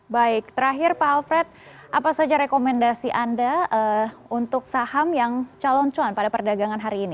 baik terakhir pak alfred apa saja rekomendasi anda untuk saham yang calon cuan pada perdagangan hari ini